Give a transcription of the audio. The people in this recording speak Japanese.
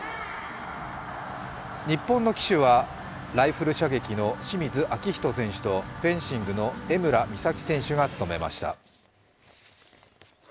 日本の旗手はライフル射撃の清水彰人選手とフェンシングの江村美咲選手が務めました。